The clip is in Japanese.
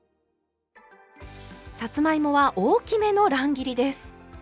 さつまいもは大きめの乱切りです。